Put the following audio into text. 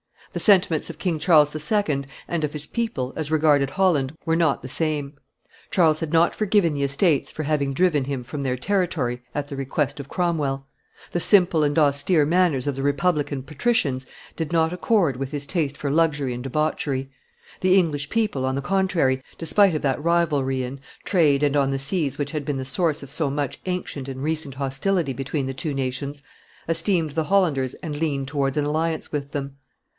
The sentiments of King Charles II. and of his people, as regarded Holland, were not the same. Charles had not forgiven the Estates for having driven him from their territory at the request of Cromwell; the simple and austere manners of the republican patricians did not accord with his taste for luxury and debauchery; the English people, on the contrary, despite of that rivalry in, trade and on the seas which had been the source of so much ancient and recent hostility between the two nations, esteemed the Hollanders and leaned towards an alliance with them.